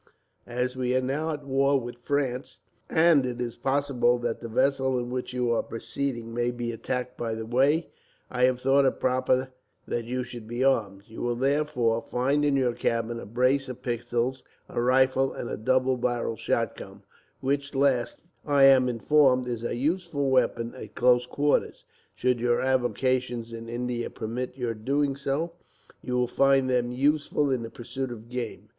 "As we are now at war with France, and it is possible that the vessel in which you are proceeding may be attacked by the way, I have thought it proper that you should be armed. You will, therefore, find in your cabin a brace of pistols, a rifle, and a double barrel shotgun: which last, I am informed, is a useful weapon at close quarters. Should your avocations in India permit your doing so, you will find them useful in the pursuit of game.